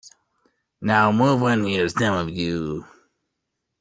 Now move on here, some of you.